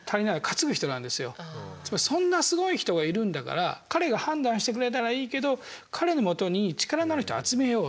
つまりそんなすごい人がいるんだから彼が判断してくれたらいいけど彼のもとに力のある人を集めようと。